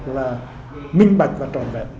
là minh bạch và tròn vẹn